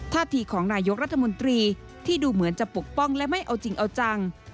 ทีของนายกรัฐมนตรีที่ดูเหมือนจะปกป้องและไม่เอาจริงเอาจัง